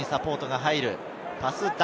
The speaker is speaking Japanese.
すぐにサポートが入る。